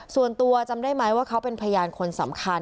ส่วนตัวจำได้ไหมว่าเขาเป็นพยานคนสำคัญ